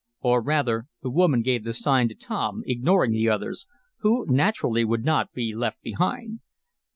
Or rather, the woman gave the sign to Tom, ignoring the others, who, naturally, would not be left behind.